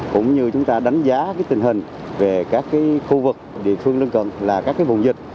cũng như chúng ta đánh giá tình hình về các khu vực địa phương lân cận là các vùng dịch